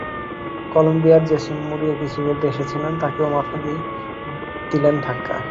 কলম্বিয়ার Jason Murillo কিছু বলতে এসেছিলেন, তাঁকেও মাথা দিয়ে দিলেন ধাক্কা।